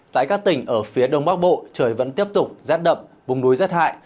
tại các tỉnh ở phía đông bắc bộ trời vẫn tiếp tục rét đậm bùng núi rét hại